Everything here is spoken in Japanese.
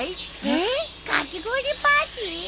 えっかき氷パーティー？